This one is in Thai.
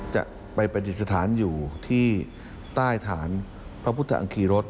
จะไปปฏิสถานอยู่ที่ใต้ฐานพระพุทธอังคีรส